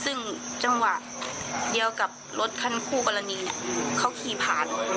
ซึ่งจังหวะเดียวกับรถคันคู่กรณีเนี่ยเขาขี่ผ่าน